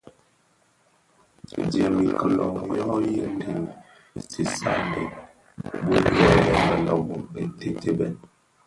Dièm i kilōň yo yin di dhisaňdèn bum yè mënōbō ntètèbèn.